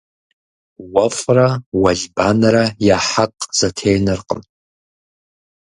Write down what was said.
Уэфӏрэ уэлбанэрэ я хьэкъ зэтенэркъым.